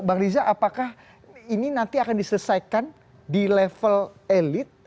bang riza apakah ini nanti akan diselesaikan di level elit